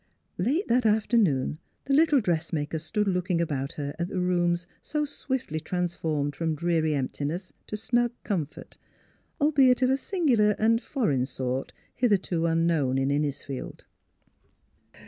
" Late that afternoon the little dressmaker stood looking about her at the rooms so swiftly trans formed from dreary emptiness to snug comfort, albeit of a singular and foreign sort hitherto unknown in Innisfield.